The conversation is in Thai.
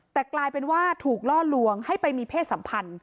แต่กลายเป็นว่าถูกล่อลวงให้ไปมีเพศสัมพันธ์